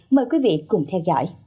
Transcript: mời quý vị cùng theo dõi